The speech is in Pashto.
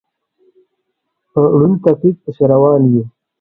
په ړوند تقلید پسې روان یو.